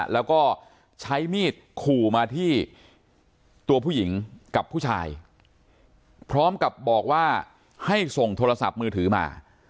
แล้วก็ใช้มีดขู่มาที่ตัวผู้หญิงกับผู้ชายพร้อมกับบอกว่าให้ส่งโทรศัพท์มือถือมา